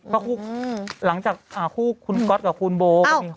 ก็หลังจากอ่าคู่คุณก๊อตกับคุณโบว์